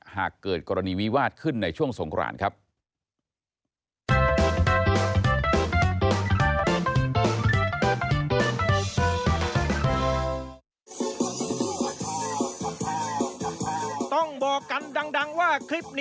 หากเกิดกรณีวิวาสขึ้นในช่วงสงครานครับ